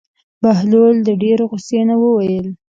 بهلول د ډېرې غوسې نه وویل.